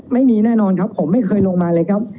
แน่นอนครับผมไม่เคยลงมาเลยครับ